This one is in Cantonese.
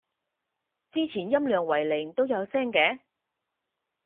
之前音量為零都有聲嘅